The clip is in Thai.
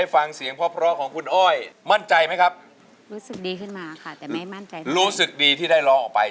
แล้วเราต้องหลบกลับไป